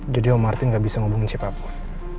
jadi om martin gak bisa ngubungin siapapun